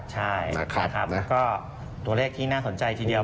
ใช่นะครับก็ตัวเลขที่น่าสนใจทีเดียว